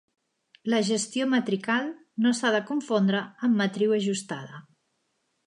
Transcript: La gestió matrical no s'ha de confondre amb "matriu ajustada".